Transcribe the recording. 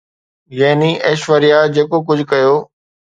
يعني ايشوريا جيڪو ڪجهه ڪيو